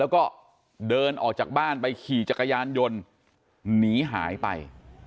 แล้วก็เดินออกจากบ้านไปขี่จักรยานยนต์หนีหายไป